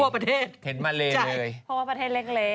เพราะว่าประเทศเล็ก